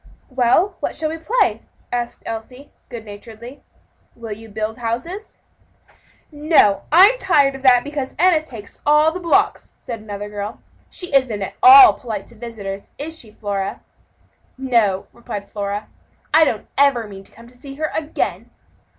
"Well, what shall we play?" asked Elsie, good naturedly. "Will you build houses?" "No, I'm tired of that, because Enna takes all the blocks," said another little girl. "She isn't at all polite to visitors, is she, Flora?" "No," replied Flora, "and I don't ever mean to come to see her again."